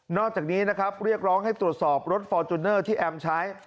อกจากนี้นะครับเรียกร้องให้ตรวจสอบรถฟอร์จูเนอร์ที่แอมใช้